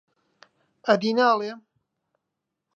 ئەدی ناڵێم